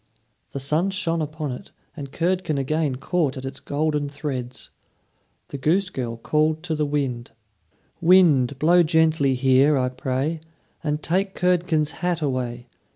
The sun shone upon it, and Curdken again caught at its golden threads. The goose girl called to the wind: "Wind, blow gently here, I pray, And take Curdken's hat away.